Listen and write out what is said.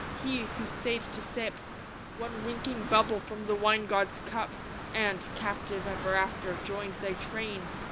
He, who stayed to sip One winking bubble from the wine god's cup, And, captive ever after, joined thy train?